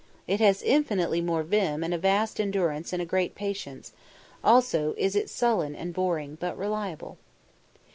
It has infinitely more vim and a vast endurance and a great patience; also is it sullen and boring, but reliable.